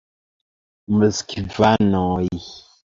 Moskvanoj!